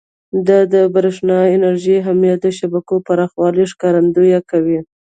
دا د برېښنا انرژۍ اهمیت او د شبکو پراخوالي ښکارندویي کوي.